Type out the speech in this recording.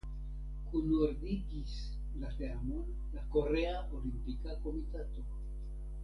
Kunordigis la teamon la Korea Olimpika Komitato.